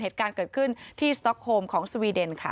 เหตุการณ์เกิดขึ้นที่สต๊อกโฮมของสวีเดนค่ะ